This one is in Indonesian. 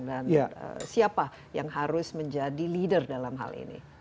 dan siapa yang harus menjadi leader dalam hal ini